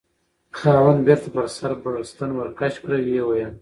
خاوند: بیرته په سر بړستن ورکش کړه، ویې ویل: